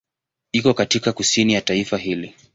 Iko katika kusini ya taifa hili.